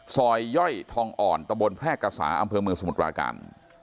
ซอยย่อยทองอ่อนตะบลแพร่กระสาอำเภอมสมุทรวาการ